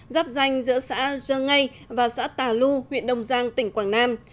giáp danh giữa xã dơ ngây và xã tà lu huyện đông giang tỉnh quảng nam